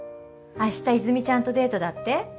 明日泉ちゃんとデートだって？